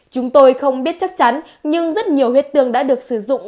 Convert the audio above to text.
chúng tôi không biết chắc chắn nhưng rất nhiều huyết tương đã được sử dụng